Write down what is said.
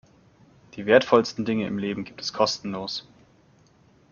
Die wertvollsten Dinge im Leben gibt es kostenlos.